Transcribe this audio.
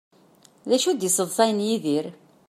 D acu i d-yesseḍṣayen Yidir?